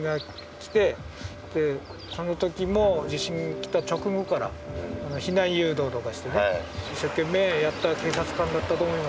でそのときも地震が来た直後から避難誘導とかしてね一生懸命やった警察官だったと思います。